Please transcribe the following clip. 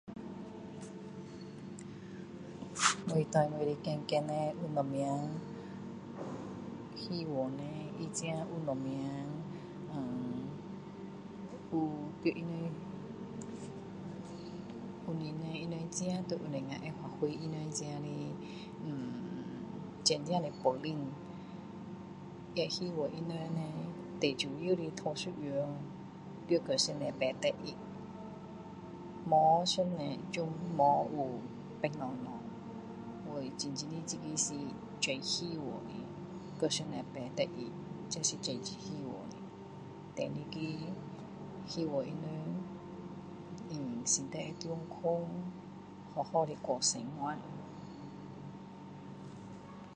我对我的孩子叻有什么希望呢他自己有什么呃有在他们能够自己他们自己能够发挥他们自己的呃…真正的本领也希望他们呢最主要的第一样要跟上帝排第一没上帝就没有别的东西因为真真的这个是最希望的跟上帝排第一这是希望的第二个希望他们呃身体会健康好好的过生活